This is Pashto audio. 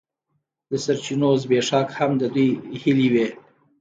د سرچینو زبېښاک هم د دوی هیلې وې.